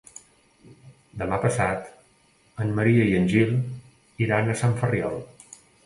Demà passat en Maria i en Gil iran a Sant Ferriol.